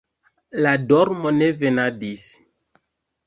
La dormo ne venadis.